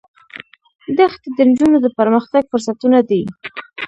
دښتې د نجونو د پرمختګ فرصتونه دي.